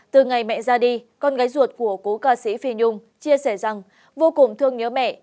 từ ngày mẹ ra đi con gái ruột của cố ca sĩ phi nhung chia sẻ rằng vô cùng thương nhớ mẹ